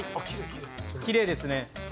きれいですね。